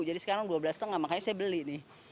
jadi sekarang dua belas lima makanya saya beli nih